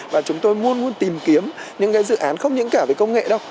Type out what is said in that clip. và chúng tôi muốn luôn tìm kiếm những cái dự án không những cả về công nghệ đâu